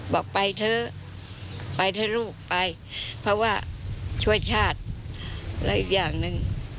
บอกไปเถอะไปเถอะลูกไปเพราะว่าช่วยชาติและอีกอย่างหนึ่ง